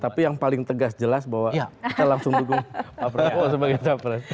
tapi yang paling tegas jelas bahwa kita langsung dukung pak prabowo sebagai capres